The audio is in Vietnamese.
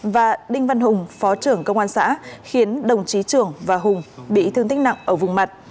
và đinh văn hùng phó trưởng công an xã khiến đồng chí trưởng và hùng bị thương tích nặng ở vùng mặt